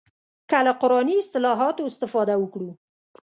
که له قراني اصطلاحاتو استفاده وکړو.